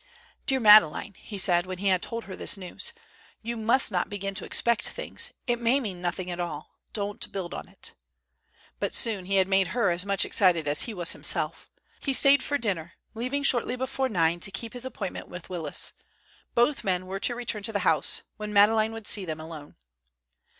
"Dear Madeleine," he said, when he had told her his news, "you must not begin to expect things. It may mean nothing at all. Don't build on it." But soon he had made her as much excited as he was himself. He stayed for dinner, leaving shortly before nine to keep his appointment with Willis. Both men were to return to the house, when Madeleine would see them alone.